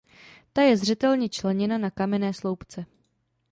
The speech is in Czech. Ta je zřetelně členěna na kamenné sloupce.